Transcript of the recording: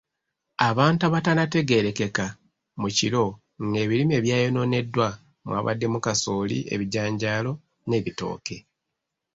Abantu abatannategeerekeka mu kiro ng'ebirime ebyayonooneddwa mwabaddemu; kasooli, ebijanjaalo n'ebitooke.